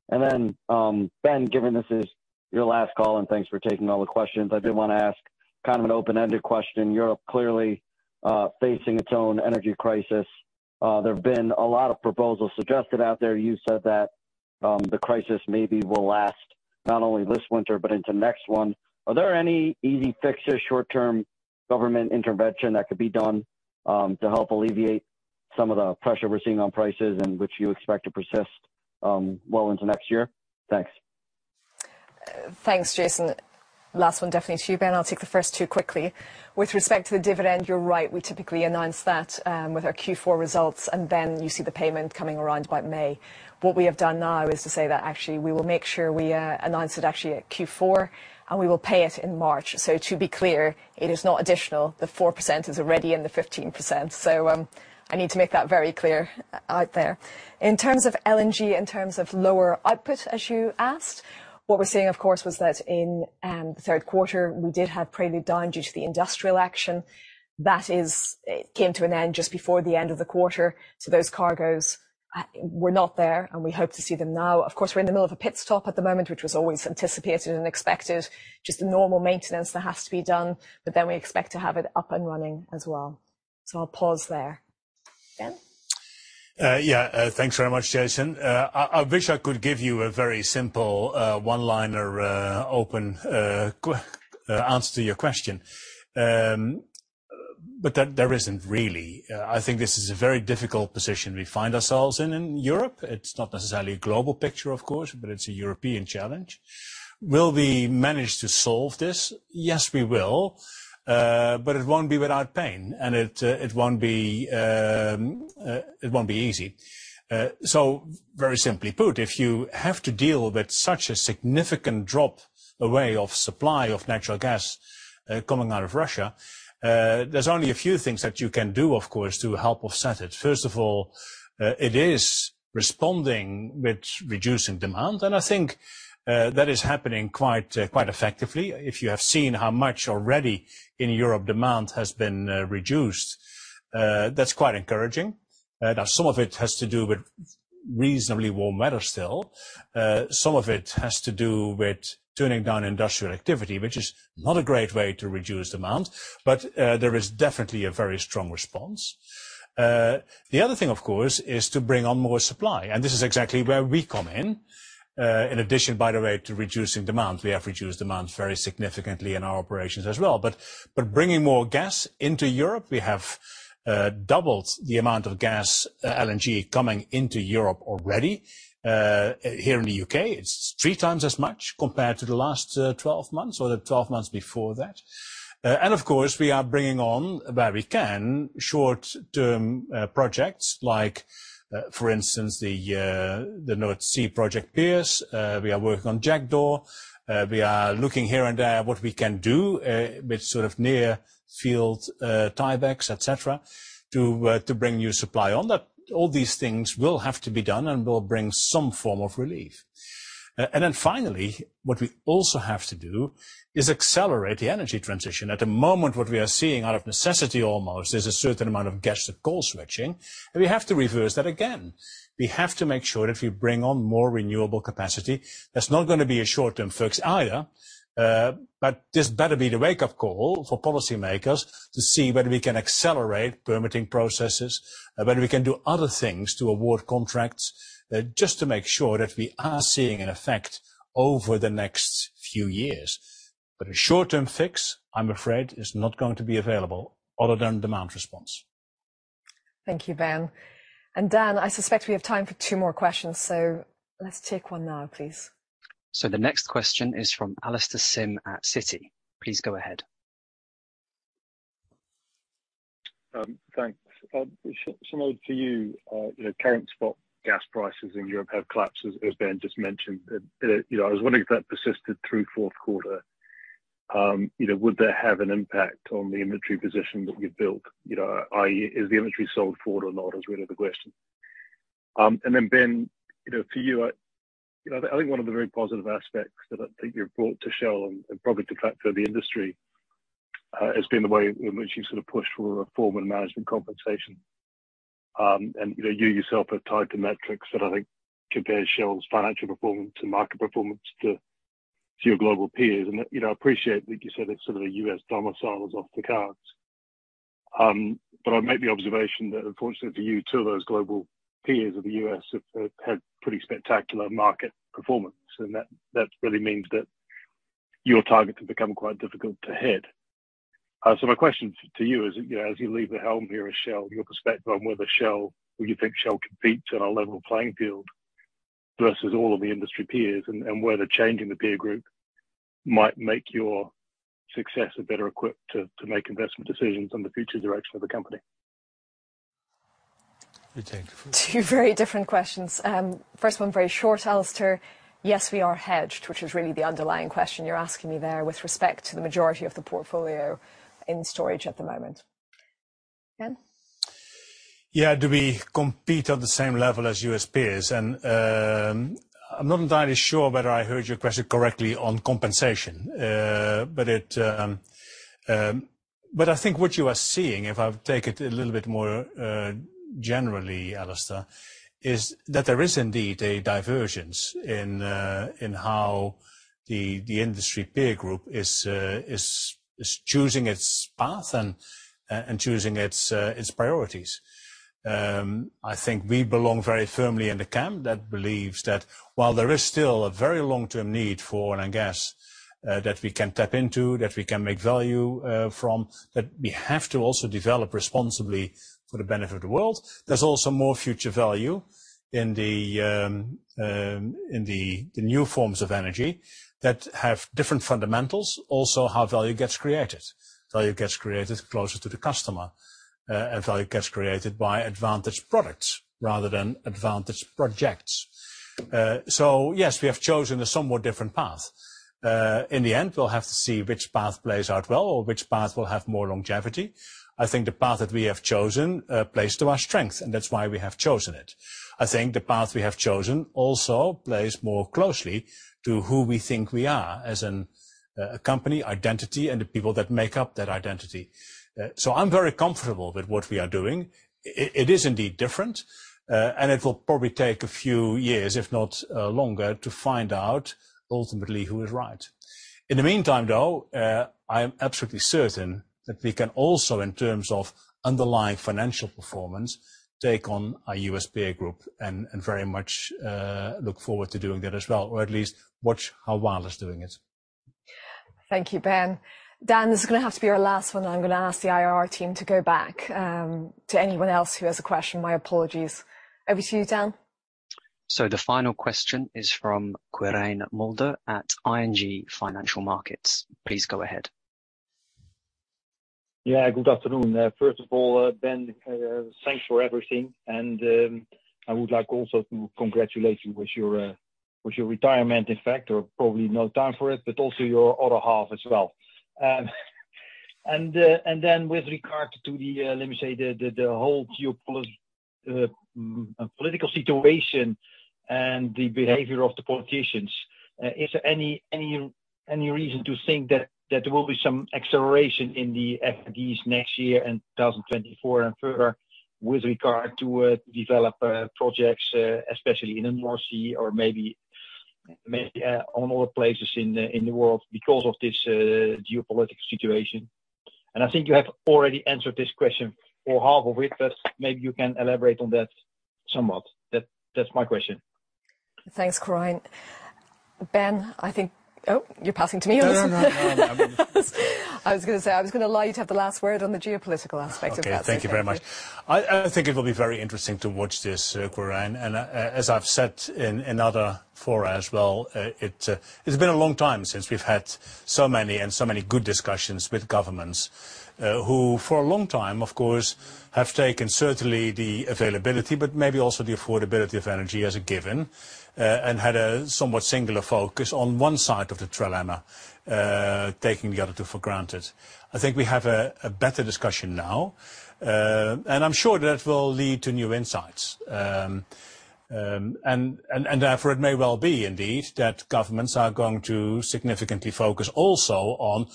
Ben, given this is your last call, and thanks for taking all the questions. I did want to ask kind of an open-ended question. Europe clearly facing its own energy crisis. There have been a lot of proposals suggested out there. You said that, the crisis maybe will last not only this winter, but into next one. Are there any easy fixes, short-term government intervention that could be done, to help alleviate some of the pressure we're seeing on prices and which you expect to persist, well into next year? Thanks. Thanks, Jason. Last one definitely to you, Ben. I'll take the first two quickly. With respect to the dividend, you're right. We typically announce that with our Q4 results, and then you see the payment coming around by May. What we have done now is to say that actually, we will make sure we announce it actually at Q4, and we will pay it in March. To be clear, it is not additional. The 4% is already in the 15%. I need to make that very clear out there. In terms of LNG, in terms of lower output, as you asked, what we're seeing, of course, was that in the third quarter, we did have Prelude down due to the industrial action. That is, it came to an end just before the end of the quarter. Those cargoes were not there, and we hope to see them now. Of course, we're in the middle of a pit stop at the moment, which was always anticipated and expected. Just the normal maintenance that has to be done. We expect to have it up and running as well. I'll pause there. Ben? Yeah. Thanks very much, Jason. I wish I could give you a very simple one-liner answer to your question. There isn't really. I think this is a very difficult position we find ourselves in Europe. It's not necessarily a global picture. Much already in Europe demand has been reduced. That's quite encouraging. Now some of it has to do with reasonably warm weather still. Some of it has to do with turning down industrial activity, which is not a great way to reduce demand, but there is definitely a very strong response. The other thing, of course, is to bring on more supply, and this is exactly where we come in. In addition, by the way, to reducing demand, we have reduced demand very significantly in our operations as well. Bringing more gas into Europe, we have doubled the amount of gas, LNG coming into Europe already. Here in the U.K., it's three times as much compared to the last 12 months or the 12 months before that. Of course, we are bringing on, where we can, short-term projects like, for instance, the North Sea Project Pierce. We are working on Jackdaw. We are looking here and there what we can do with sort of near field tiebacks, et cetera, to bring new supply on. That all these things will have to be done and will bring some form of relief. What we also have to do is accelerate the energy transition. At the moment, what we are seeing out of necessity, almost, is a certain amount of gas to coal switching, and we have to reverse that again. We have to make sure that we bring on more renewable capacity. That's not gonna be a short-term fix either, but this better be the wake-up call for policymakers to see whether we can accelerate permitting processes, whether we can do other things to award contracts, just to make sure that we are seeing an effect over the next few years. A short-term fix, I'm afraid, is not going to be available other than demand response. Thank you, Ben. Dan, I suspect we have time for two more questions, so let's take one now, please. The next question is from Alastair Syme at Citi. Please go ahead. Thanks. Sinead, to you. You know, current spot gas prices in Europe have collapsed, as Ben just mentioned. You know, I was wondering if that persisted through fourth quarter. You know, would that have an impact on the inventory position that we've built? You know, i.e., is the inventory sold forward or not, is really the question? Ben, you know, to you know, I think one of the very positive aspects that you've brought to Shell and probably to the entire industry has been the way in which you've sort of pushed for reform and management compensation. You know, you yourself have tied to metrics that I think compare Shell's financial performance and market performance to your global peers. I appreciate that you said it's sort of a U.S. domicile is off the table. I make the observation that unfortunately for you, two of those global peers of the U.S. have had pretty spectacular market performance, and that really means that your target can become quite difficult to hit. My question to you is, you know, as you leave the helm here at Shell, your perspective on whether Shell, or you think Shell competes on a level playing field versus all of the industry peers and where the change in the peer group might make your successor better equipped to make investment decisions on the future direction of the company. You take the first. Two very different questions. First one very short, Alastair. Yes, we are hedged, which is really the underlying question you're asking me there with respect to the majority of the portfolio in storage at the moment. Ben? Yeah. Do we compete at the same level as U.S. peers? I'm not entirely sure whether I heard your question correctly on compensation. I think what you are seeing, if I take it a little bit more generally, Alastair, is that there is indeed a divergence in how the industry peer group is choosing its path and choosing its priorities. I think we belong very firmly in the camp that believes that while there is still a very long-term need for oil and gas, that we can tap into, that we can make value from, that we have to also develop responsibly for the benefit of the world. There's also more future value in the new forms of energy that have different fundamentals, also how value gets created. Value gets created closer to the customer, and value gets created by advantage products rather than advantage projects. Yes, we have chosen a somewhat different path. In the end, we'll have to see which path plays out well or which path will have more longevity. I think the path that we have chosen plays to our strength, and that's why we have chosen it. I think the path we have chosen also plays more closely to who we think we are as a company identity and the people that make up that identity. I'm very comfortable with what we are doing. It is indeed different, and it will probably take a few years, if not longer, to find out ultimately who is right. In the meantime, though, I am absolutely certain that we can also, in terms of underlying financial performance, take on a U.S. peer group and very much look forward to doing that as well, or at least watch how Shell is doing it. Thank you, Ben. Dan, this is gonna have to be our last one, and I'm gonna ask the IR team to go back. To anyone else who has a question, my apologies. Over to you, Dan. The final question is from Quirijn Mulder at ING Financial Markets. Please go ahead. Good afternoon. First of all, Ben, thanks for everything, and I would like also to congratulate you with your retirement effect or probably no time for it, but also your other half as well. Then with regard to the, let me say, the whole political situation and the behavior of the politicians, is there any reason to think that there will be some acceleration in the FIDs next year and 2024 and further with regard to development projects, especially in the North Sea or maybe on other places in the world because of this geopolitical situation? I think you have already answered this question or half of it, but maybe you can elaborate on that somewhat. That's my question. Thanks, Quirijn. Ben, you're passing to me. No. I mean. I was gonna allow you to have the last word on the geopolitical aspect of that. Okay. Thank you very much. I think it will be very interesting to watch this, Quirijn. As I've said in other fora as well, it's been a long time since we've had so many good discussions with governments, who for a long time, of course, have taken certainly the availability, but maybe also the affordability of energy as a given, and had a somewhat singular focus on one side of the trilemma, taking the other two for granted. I think we have a better discussion now, and I'm sure that will lead to new insights. Therefore, it may well be indeed that governments are going to significantly focus also on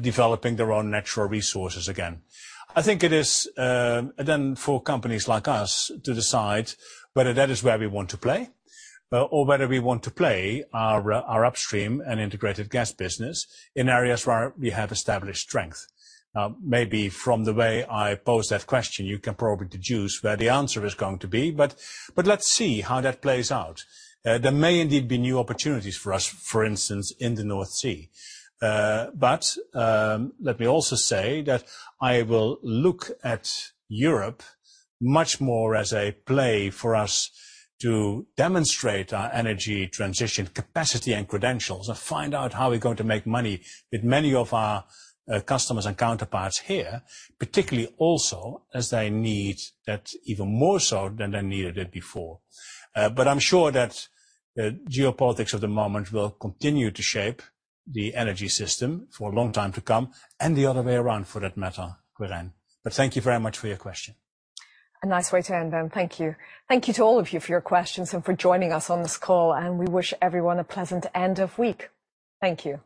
developing their own natural resources again. I think it is then for companies like us to decide whether that is where we want to play or whether we want to play our upstream and Integrated Gas business in areas where we have established strength. Maybe from the way I pose that question, you can probably deduce where the answer is going to be. Let's see how that plays out. There may indeed be new opportunities for us, for instance, in the North Sea. Let me also say that I will look at Europe much more as a play for us to demonstrate our energy transition capacity and credentials and find out how we're going to make money with many of our customers and counterparts here, particularly also as they need that even more so than they needed it before. I'm sure that geopolitics of the moment will continue to shape the energy system for a long time to come, and the other way around for that matter, Quirijn. Thank you very much for your question. A nice way to end, Ben. Thank you. Thank you to all of you for your questions and for joining us on this call, and we wish everyone a pleasant end of week. Thank you.